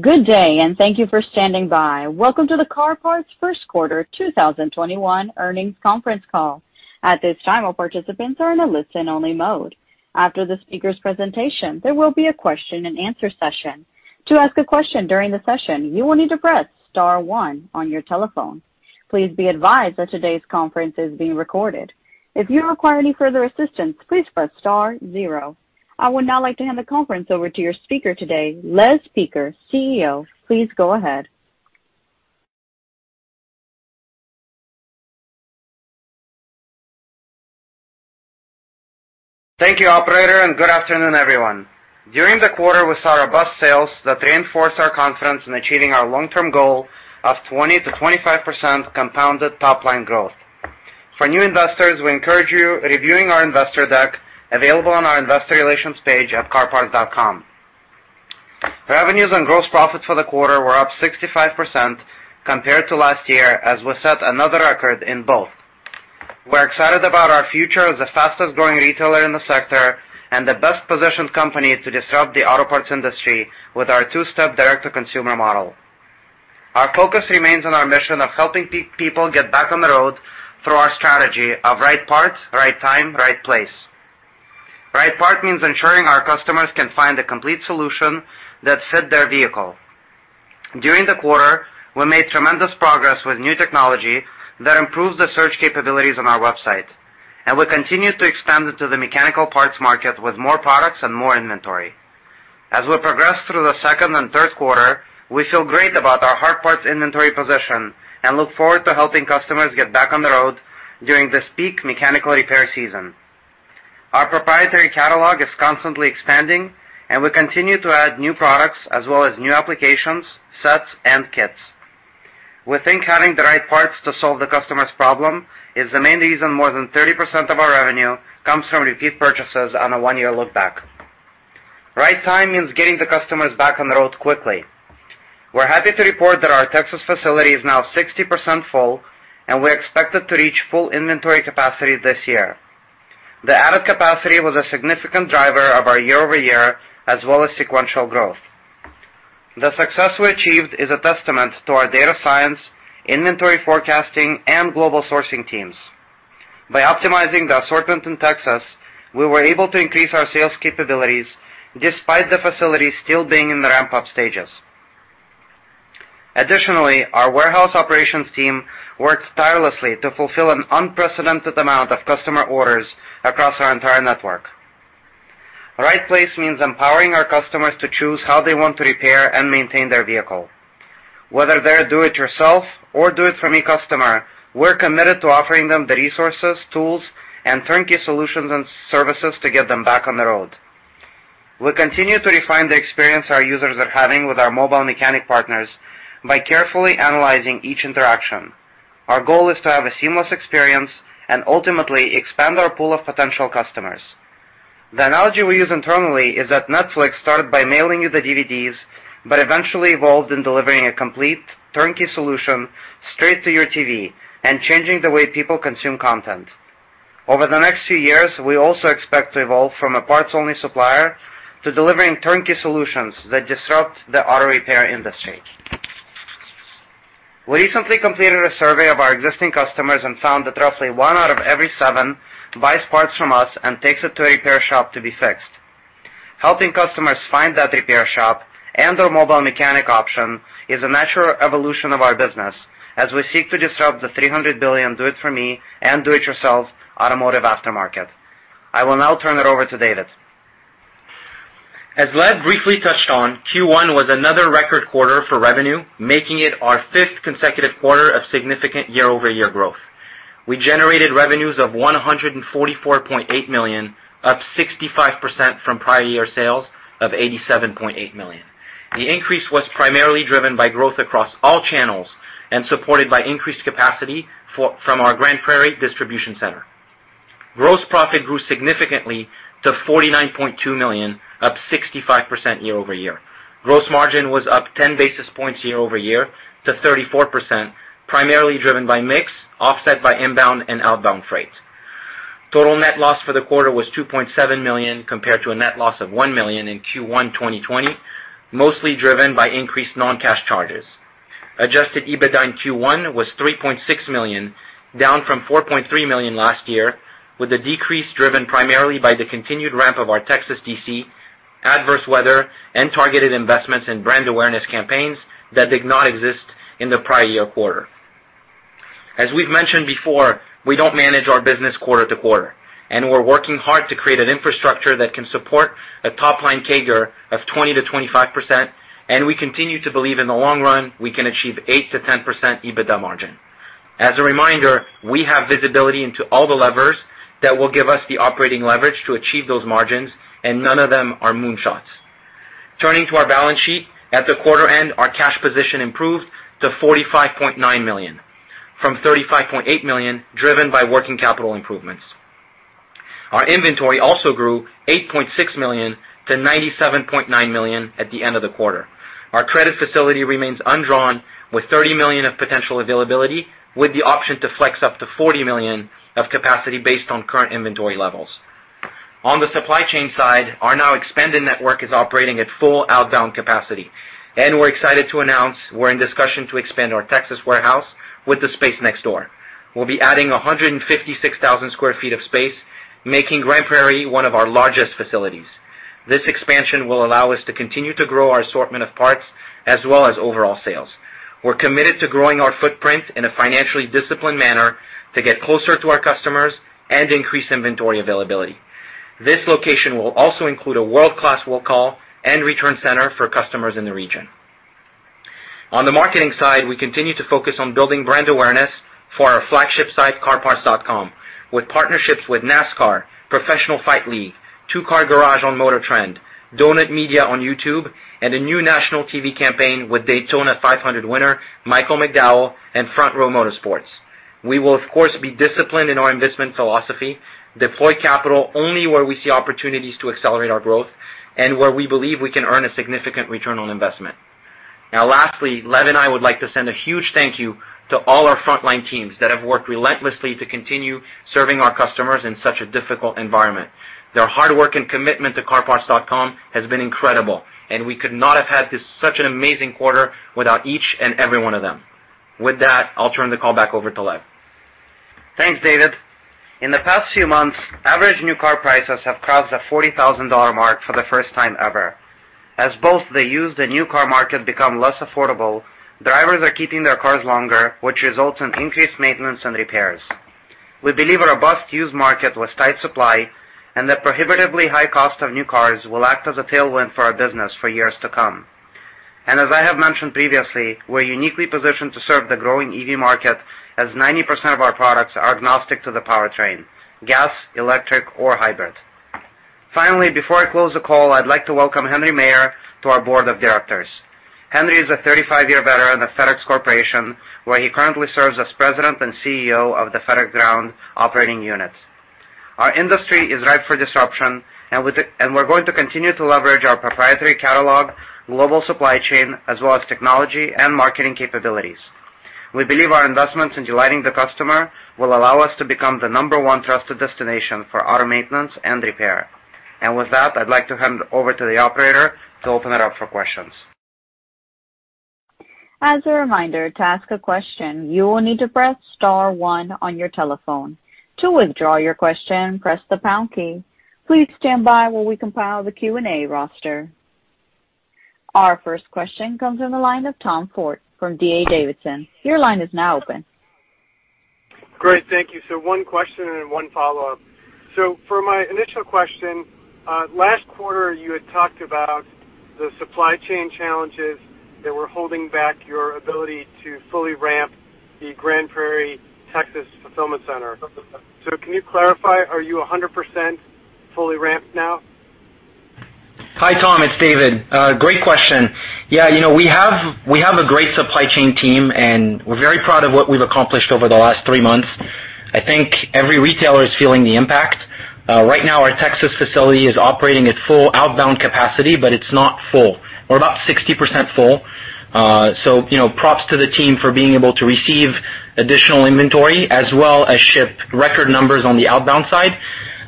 Good day, and thank you for standing by. Welcome to the CarParts first quarter 2021 earnings conference call. At this time, all participants are in a listen-only mode. After the speakers' presentation, there will be a question-and-answer session. To ask a question during the session, you will need to press star one on your telephone. Please be advised that today's conference is being recorded. If you require any further assistance, please press star zero. I would now like to hand the conference over to your speaker today, Lev Peker, CEO. Please go ahead. Thank you, operator, and good afternoon, everyone. During the quarter, we saw robust sales that reinforced our confidence in achieving our long-term goal of 20%-25% compounded top-line growth. For new investors, we encourage you reviewing our investor deck, available on our investor relations page at carparts.com. Revenues and gross profits for the quarter were up 65% compared to last year, as we set another record in both. We're excited about our future as the fastest-growing retailer in the sector and the best-positioned company to disrupt the auto parts industry with our two-step direct-to-consumer model. Our focus remains on our mission of helping people get back on the road through our strategy of right parts, right time, right place. Right part means ensuring our customers can find a complete solution that fit their vehicle. During the quarter, we made tremendous progress with new technology that improved the search capabilities on our website, and we continue to expand into the mechanical parts market with more products and more inventory. As we progress through the second and third quarter, we feel great about our hard parts inventory position and look forward to helping customers get back on the road during this peak mechanical repair season. Our proprietary catalog is constantly expanding, and we continue to add new products as well as new applications, sets, and kits. We think having the right parts to solve the customer's problem is the main reason more than 30% of our revenue comes from repeat purchases on a one-year look back. Right time means getting the customers back on the road quickly. We're happy to report that our Texas facility is now 60% full, and we're expected to reach full inventory capacity this year. The added capacity was a significant driver of our year-over-year as well as sequential growth. The success we achieved is a testament to our data science, inventory forecasting, and global sourcing teams. By optimizing the assortment in Texas, we were able to increase our sales capabilities despite the facility still being in the ramp-up stages. Additionally, our warehouse operations team worked tirelessly to fulfill an unprecedented amount of customer orders across our entire network. Right place means empowering our customers to choose how they want to repair and maintain their vehicle. Whether they're do-it-yourself or do-it-for-me customer, we're committed to offering them the resources, tools, and turnkey solutions and services to get them back on the road. We continue to refine the experience our users are having with our mobile mechanic partners by carefully analyzing each interaction. Our goal is to have a seamless experience and ultimately expand our pool of potential customers. The analogy we use internally is that Netflix started by mailing you the DVDs but eventually evolved in delivering a complete turnkey solution straight to your TV and changing the way people consume content. Over the next few years, we also expect to evolve from a parts-only supplier to delivering turnkey solutions that disrupt the auto repair industry. We recently completed a survey of our existing customers and found that roughly one out of every seven buys parts from us and takes it to a repair shop to be fixed. Helping customers find that repair shop and/or mobile mechanic option is a natural evolution of our business as we seek to disrupt the $300 billion do-it-for-me and do-it-yourself automotive aftermarket. I will now turn it over to David. As Lev briefly touched on, Q1 was another record quarter for revenue, making it our fifth consecutive quarter of significant year-over-year growth. We generated revenues of $144.8 million, up 65% from prior year sales of $87.8 million. The increase was primarily driven by growth across all channels and supported by increased capacity from our Grand Prairie distribution center. Gross profit grew significantly to $49.2 million, up 65% year-over-year. Gross margin was up 10 basis points year-over-year to 34%, primarily driven by mix, offset by inbound and outbound freight. Total net loss for the quarter was $2.7 million, compared to a net loss of $1 million in Q1 2020, mostly driven by increased non-cash charges. Adjusted EBITDA in Q1 was $3.6 million, down from $4.3 million last year, with the decrease driven primarily by the continued ramp of our Texas DC, adverse weather, and targeted investments in brand awareness campaigns that did not exist in the prior year quarter. As we've mentioned before, we don't manage our business quarter to quarter, and we're working hard to create an infrastructure that can support a top-line CAGR of 20%-25%. We continue to believe in the long run, we can achieve 8%-10% EBITDA margin. As a reminder, we have visibility into all the levers that will give us the operating leverage to achieve those margins. None of them are moonshots. Turning to our balance sheet. At the quarter end, our cash position improved to $45.9 million from $35.8 million, driven by working capital improvements. Our inventory also grew $8.6 million to $97.9 million at the end of the quarter. Our credit facility remains undrawn with $30 million of potential availability, with the option to flex up to $40 million of capacity based on current inventory levels. On the supply chain side, our now expanded network is operating at full outbound capacity, and we're excited to announce we're in discussion to expand our Texas warehouse with the space next door. We'll be adding 156,000 sq ft of space, making Grand Prairie one of our largest facilities. This expansion will allow us to continue to grow our assortment of parts as well as overall sales. We're committed to growing our footprint in a financially disciplined manner to get closer to our customers and increase inventory availability. This location will also include a world-class will call and return center for customers in the region. On the marketing side, we continue to focus on building brand awareness for our flagship site, CarParts.com, with partnerships with NASCAR, Professional Fighters League, Two Guys Garage on MotorTrend, Donut Media on YouTube, and a new national TV campaign with Daytona 500 winner Michael McDowell and Front Row Motorsports. We will, of course, be disciplined in our investment philosophy, deploy capital only where we see opportunities to accelerate our growth, and where we believe we can earn a significant return on investment. Lastly, Lev and I would like to send a huge thank you to all our frontline teams that have worked relentlessly to continue serving our customers in such a difficult environment. Their hard work and commitment to CarParts.com has been incredible, and we could not have had this such an amazing quarter without each and every one of them. With that, I'll turn the call back over to Lev. Thanks, David. In the past few months, average new car prices have crossed the $40,000 mark for the first time ever. As both the used and new car market become less affordable, drivers are keeping their cars longer, which results in increased maintenance and repairs. We believe a robust used market with tight supply and the prohibitively high cost of new cars will act as a tailwind for our business for years to come. As I have mentioned previously, we're uniquely positioned to serve the growing EV market as 90% of our products are agnostic to the powertrain, gas, electric, or hybrid. Finally, before I close the call, I'd like to welcome Henry Maier to our board of directors. Henry is a 35-year veteran of FedEx Corporation, where he currently serves as President and CEO of the FedEx Ground operating unit. Our industry is ripe for disruption, and we're going to continue to leverage our proprietary catalog, global supply chain, as well as technology and marketing capabilities. We believe our investments in delighting the customer will allow us to become the number one trusted destination for auto maintenance and repair. With that, I'd like to hand it over to the operator to open it up for questions. As a reminder, to ask a question you will need to press star one on your telephone. To withdraw your question, press the pound key. Please standby while we compile the roster. Our first question comes in the line of Tom Forte from D.A. Davidson. Your line is now open. Great. Thank you. One question and one follow-up. For my initial question, last quarter, you had talked about the supply chain challenges that were holding back your ability to fully ramp the Grand Prairie, Texas fulfillment center. Can you clarify, are you 100% fully ramped now? Hi, Tom. It's David. Great question. Yeah, we have a great supply chain team, and we're very proud of what we've accomplished over the last three months. I think every retailer is feeling the impact. Right now, our Texas facility is operating at full outbound capacity, but it's not full. We're about 60% full. Props to the team for being able to receive additional inventory as well as ship record numbers on the outbound side.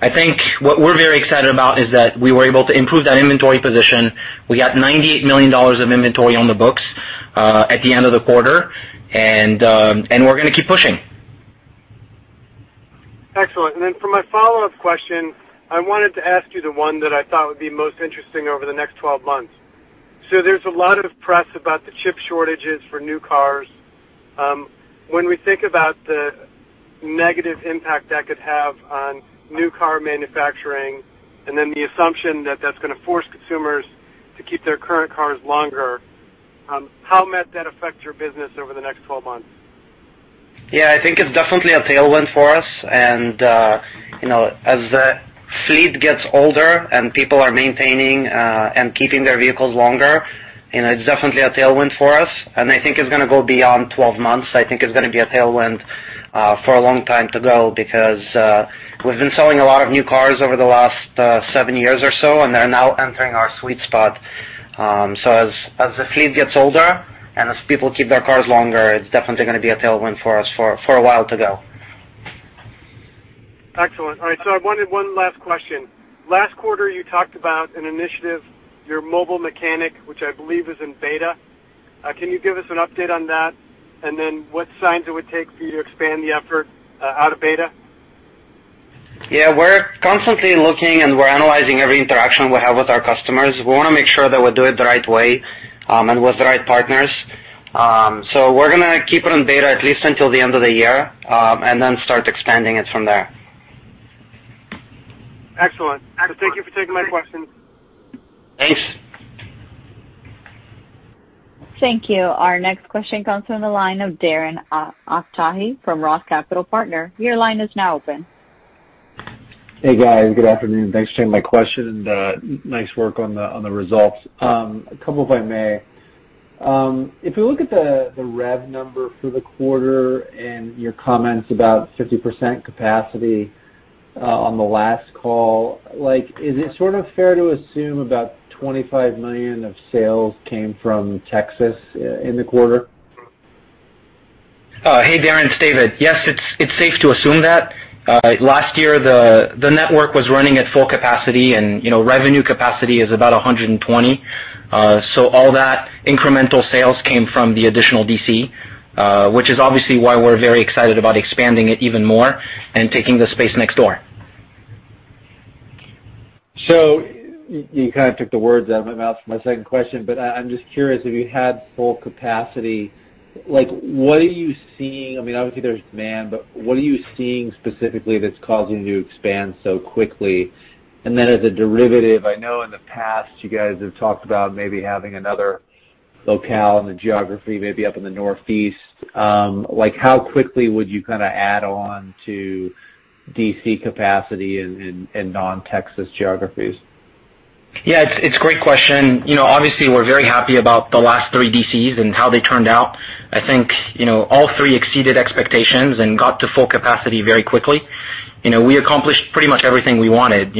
I think what we're very excited about is that we were able to improve that inventory position. We got $98 million of inventory on the books, at the end of the quarter, and we're going to keep pushing. Excellent. For my follow-up question, I wanted to ask you the one that I thought would be most interesting over the next 12 months. There's a lot of press about the chip shortages for new cars. When we think about the negative impact that could have on new car manufacturing and then the assumption that that's going to force consumers to keep their current cars longer, how might that affect your business over the next 12 months? Yeah, I think it's definitely a tailwind for us. As the fleet gets older and people are maintaining, and keeping their vehicles longer, it's definitely a tailwind for us, and I think it's going to go beyond 12 months. I think it's going to be a tailwind for a long time to go because, we've been selling a lot of new cars over the last seven years or so, and they're now entering our sweet spot. As the fleet gets older and as people keep their cars longer, it's definitely going to be a tailwind for us for a while to go. Excellent. All right, I wanted one last question. Last quarter, you talked about an initiative, your mobile mechanic, which I believe is in beta. Can you give us an update on that? What signs it would take for you to expand the effort out of beta? Yeah, we're constantly looking, and we're analyzing every interaction we have with our customers. We want to make sure that we do it the right way, and with the right partners. We're going to keep it in beta at least until the end of the year, and then start expanding it from there. Excellent. Thank you for taking my question. Thanks. Thank you. Our next question comes from the line of Darren Aftahi from ROTH Capital Partners. Your line is now open. Hey, guys. Good afternoon. Thanks for taking my question, and nice work on the results. A couple, if I may. If we look at the rev number for the quarter and your comments about 50% capacity, on the last call, is it sort of fair to assume about $25 million of sales came from Texas in the quarter? Hey, Darren, it's David. Yes, it's safe to assume that. Last year, the network was running at full capacity, and revenue capacity is about $120 million. All that incremental sales came from the additional DC, which is obviously why we're very excited about expanding it even more and taking the space next door. You kind of took the words out of my mouth for my second question. I'm just curious if you had full capacity, what are you seeing? Obviously, there's demand. What are you seeing specifically that's causing you to expand so quickly? As a derivative, I know in the past you guys have talked about maybe having another locale in the geography, maybe up in the Northeast. How quickly would you add on to DC capacity in non-Texas geographies? Yeah, it's a great question. Obviously, we're very happy about the last three DCs and how they turned out. I think all three exceeded expectations and got to full capacity very quickly. We accomplished pretty much everything we wanted.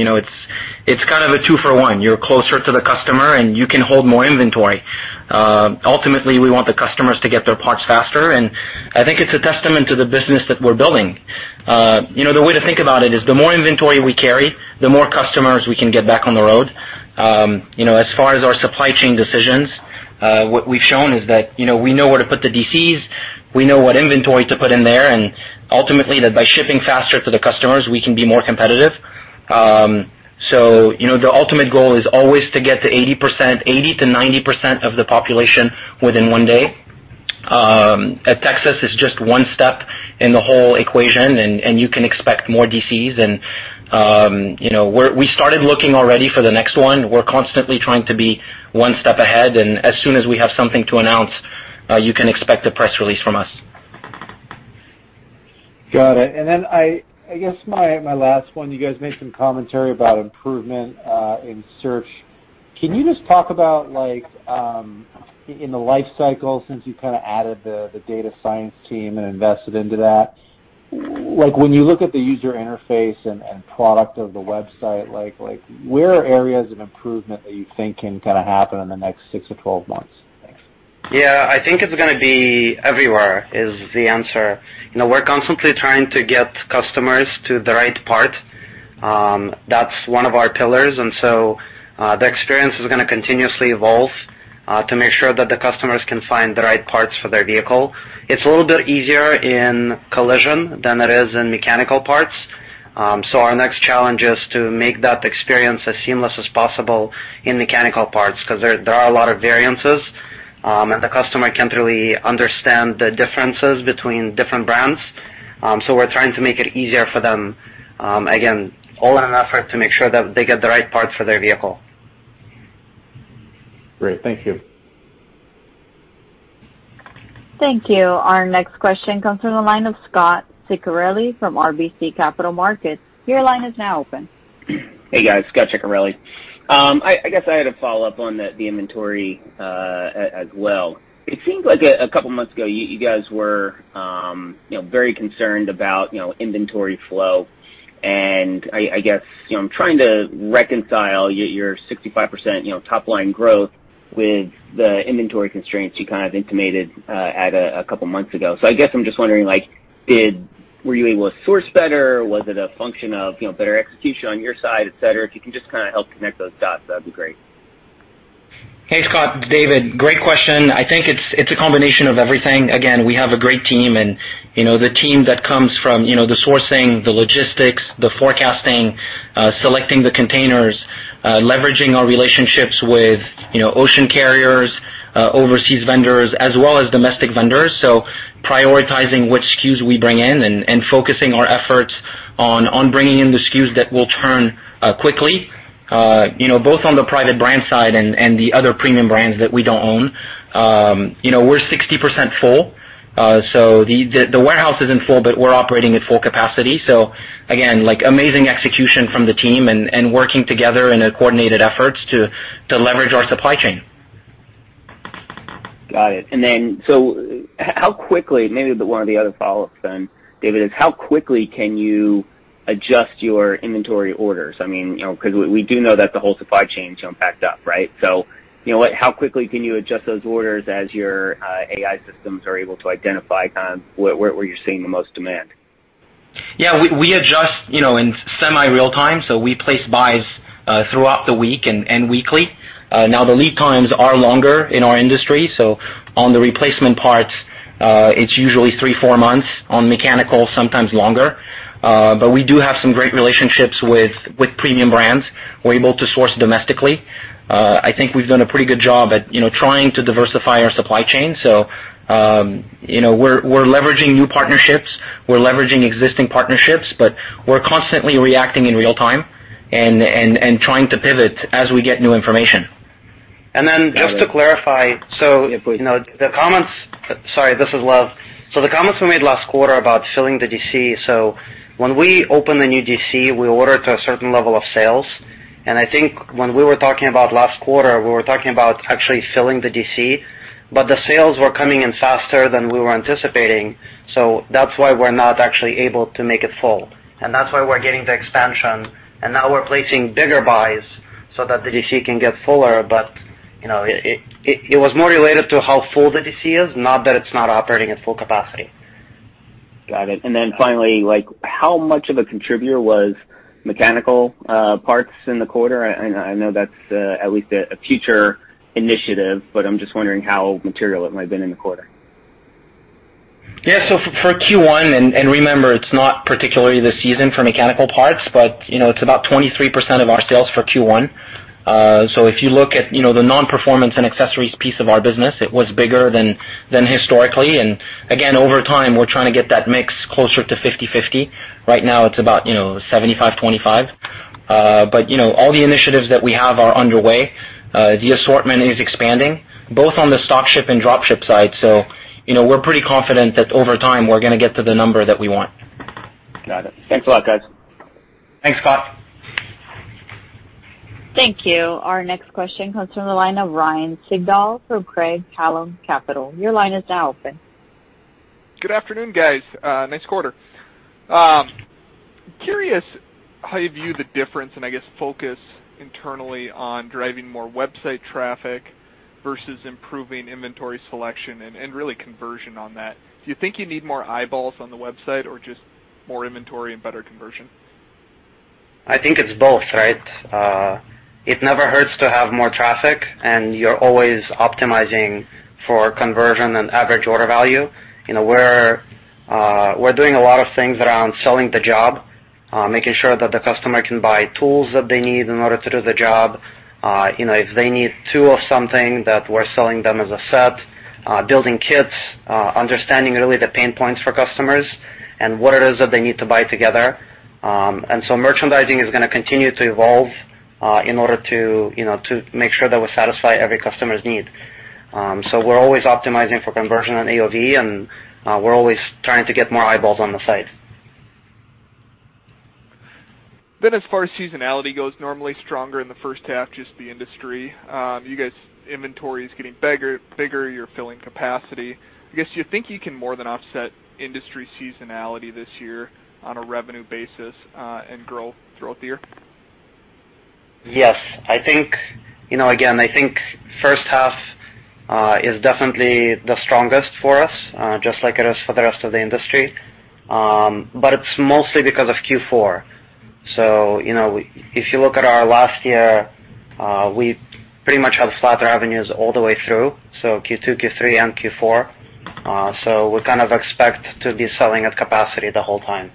It's kind of a two for one. You're closer to the customer, and you can hold more inventory. Ultimately, we want the customers to get their parts faster, and I think it's a testament to the business that we're building. The way to think about it is the more inventory we carry, the more customers we can get back on the road. As far as our supply chain decisions, what we've shown is that we know where to put the DCs, we know what inventory to put in there, and ultimately, that by shipping faster to the customers, we can be more competitive. The ultimate goal is always to get to 80%-90% of the population within one day. Texas is just one step in the whole equation, and you can expect more DCs. We started looking already for the next one. We're constantly trying to be one step ahead, and as soon as we have something to announce, you can expect a press release from us. Got it. I guess my last one, you guys made some commentary about improvement in search. Can you just talk about in the life cycle, since you kind of added the data science team and invested into that, when you look at the user interface and product of the website, where are areas of improvement that you think can happen in the next 6-12 months? Thanks. Yeah, I think it's going to be everywhere is the answer. We're constantly trying to get customers to the right part. That's one of our pillars. The experience is going to continuously evolve to make sure that the customers can find the right parts for their vehicle. It's a little bit easier in collision than it is in mechanical parts. Our next challenge is to make that experience as seamless as possible in mechanical parts, because there are a lot of variances, and the customer can't really understand the differences between different brands. We're trying to make it easier for them, again, all in an effort to make sure that they get the right parts for their vehicle. Great. Thank you. Thank you. Our next question comes from the line of Scot Ciccarelli from RBC Capital Markets. Your line is now open. Hey, guys. Scot Ciccarelli. I guess I had a follow-up on the inventory as well. It seems like a couple of months ago, you guys were very concerned about inventory flow. I guess, I'm trying to reconcile your 65% top line growth with the inventory constraints you kind of intimated at a couple of months ago. I guess I'm just wondering, were you able to source better? Was it a function of better execution on your side, et cetera? If you can just kind of help connect those dots, that'd be great. Hey, Scot. It's David. Great question. I think it's a combination of everything. Again, we have a great team, and the team that comes from the sourcing, the logistics, the forecasting, selecting the containers, leveraging our relationships with ocean carriers, overseas vendors, as well as domestic vendors. Prioritizing which SKUs we bring in and focusing our efforts on bringing in the SKUs that will turn quickly, both on the private brand side and the other premium brands that we don't own. We're 60% full. The warehouse isn't full, but we're operating at full capacity. Again, amazing execution from the team and working together in a coordinated effort to leverage our supply chain. Got it. Maybe one of the other follow-ups then, David, is how quickly can you adjust your inventory orders? We do know that the whole supply chain is backed up, right? How quickly can you adjust those orders as your AI systems are able to identify, kind of, where you're seeing the most demand? Yeah, we adjust in semi-real time. We place buys throughout the week and weekly. Now, the lead times are longer in our industry. On the replacement parts, it's usually three, four months. On mechanical, sometimes longer. We do have some great relationships with premium brands. We're able to source domestically. I think we've done a pretty good job at trying to diversify our supply chain. We're leveraging new partnerships, we're leveraging existing partnerships, but we're constantly reacting in real time and trying to pivot as we get new information. Just to clarify. Sorry, this is Lev. The comments we made last quarter about filling the DC, so when we open a new DC, we order to a certain level of sales. I think when we were talking about last quarter, we were talking about actually filling the DC, but the sales were coming in faster than we were anticipating. That's why we're not actually able to make it full. That's why we're getting the expansion. Now we're placing bigger buys so that the DC can get fuller. It was more related to how full the DC is, not that it's not operating at full capacity. Got it. Finally, how much of a contributor was mechanical parts in the quarter? I know that's at least a future initiative, but I'm just wondering how material it might have been in the quarter. For Q1, and remember, it's not particularly the season for mechanical parts, but it's about 23% of our sales for Q1. If you look at the non-performance and accessories piece of our business, it was bigger than historically, and again, over time, we're trying to get that mix closer to 50/50. Right now it's about 75/25. All the initiatives that we have are underway. The assortment is expanding, both on the stock ship and drop ship side. We're pretty confident that over time we're going to get to the number that we want. Got it. Thanks a lot, guys. Thanks, Scot. Thank you. Our next question comes from the line of Ryan Sigdahl through Craig-Hallum Capital. Your line is now open. Good afternoon, guys. Nice quarter. Curious how you view the difference, and I guess focus internally on driving more website traffic versus improving inventory selection and really conversion on that. Do you think you need more eyeballs on the website or just more inventory and better conversion? I think it's both, right? It never hurts to have more traffic, and you're always optimizing for conversion and average order value. We're doing a lot of things around selling the job, making sure that the customer can buy tools that they need in order to do the job. If they need two of something that we're selling them as a set, building kits, understanding really the pain points for customers and what it is that they need to buy together. Merchandising is going to continue to evolve, in order to make sure that we satisfy every customer's need. We're always optimizing for conversion and AOV, and we're always trying to get more eyeballs on the site. As far as seasonality goes, normally stronger in the first half, just the industry. You guys, inventory is getting bigger, you're filling capacity. I guess you think you can more than offset industry seasonality this year on a revenue basis, and grow throughout the year? Yes. I think first half is definitely the strongest for us, just like it is for the rest of the industry. It's mostly because of Q4. If you look at our last year, we pretty much have flatter revenues all the way through, Q2, Q3, and Q4. We kind of expect to be selling at capacity the whole time.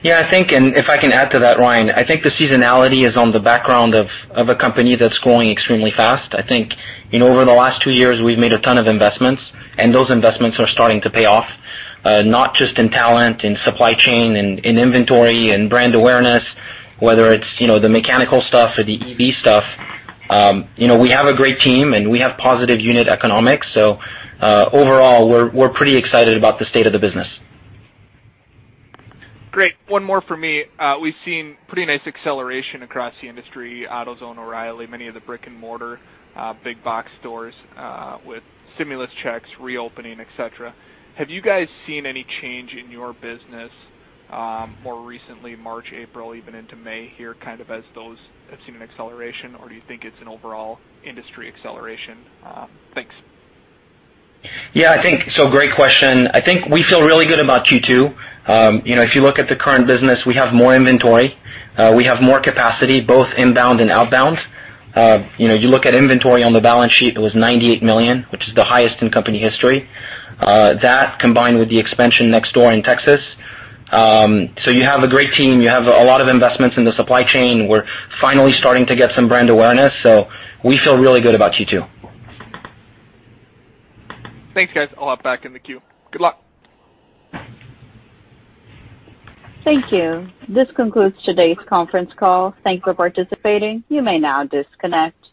Yeah, if I can add to that, Ryan, I think the seasonality is on the background of a company that's growing extremely fast. I think in over the last two years, we've made a ton of investments, and those investments are starting to pay off, not just in talent, in supply chain, in inventory and brand awareness, whether it's the mechanical stuff or the EV stuff. We have a great team and we have positive unit economics. Overall, we're pretty excited about the state of the business. Great. One more from me. We've seen pretty nice acceleration across the industry, AutoZone, O'Reilly, many of the brick and mortar, big box stores, with stimulus checks, reopening, et cetera. Have you guys seen any change in your business, more recently, March, April, even into May here, kind of as those have seen an acceleration, or do you think it's an overall industry acceleration? Thanks. Great question. I think we feel really good about Q2. If you look at the current business, we have more inventory. We have more capacity, both inbound and outbound. You look at inventory on the balance sheet, it was $98 million, which is the highest in company history. That combined with the expansion next door in Texas. You have a great team. You have a lot of investments in the supply chain. We're finally starting to get some brand awareness, we feel really good about Q2. Thanks, guys. I'll hop back in the queue. Good luck. Thank you. This concludes today's conference call. Thank you for participating. You may now disconnect.